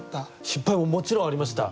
失敗ももちろんありました。